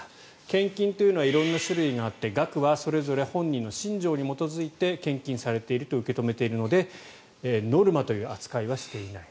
献金というのは色んな種類があって額はそれぞれ本人の信条に基づいて献金されていると受け止めているのでノルマという扱いはしていない。